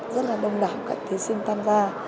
rất là đông đảm các thí sinh tham gia